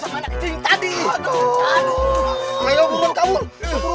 mau kemana anak kecil